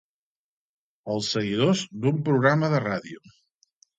Els seguidors d'un programa de ràdio.